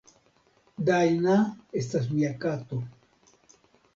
Dajna estas mia kato.